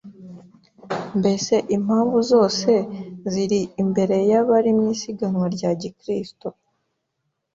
Mbese impamvu zose ziri imbere y’abari mu isiganwa rya Gikristo